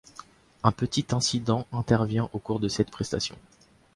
Un petit incident intervient au cours de cette prestation.